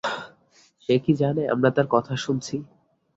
সে কি জানে আমরা তার কথা শুনছি?